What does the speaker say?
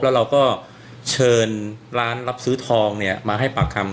แล้วเราก็เชิญร้านรับซื้อทองเนี่ยมาให้ปากคำ